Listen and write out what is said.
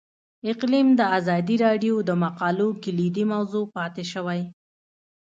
اقلیم د ازادي راډیو د مقالو کلیدي موضوع پاتې شوی.